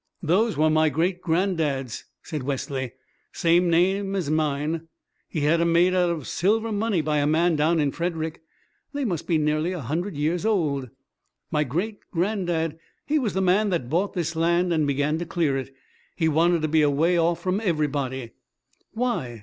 "Those were my great granddad's," said Wesley. "Same name as mine. He had 'em made out of silver money by a man down in Frederick. They must be nearly a hundred years old. My great granddad, he was the man that bought this land and began to clear it. He wanted to be away off from everybody." "Why?"